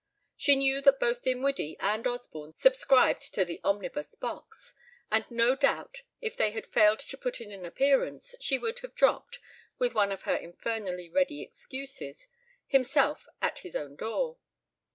She knew that both Dinwiddie and Osborne subscribed to the omnibus box, and no doubt if they had failed to put in an appearance she would have dropped with one of her infernally ready excuses himself at his own door.